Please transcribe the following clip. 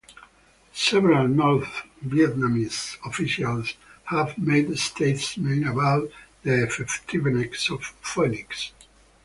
Several North Vietnamese officials have made statements about the effectiveness of Phoenix.